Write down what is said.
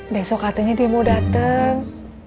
besok katanya dia mau dateng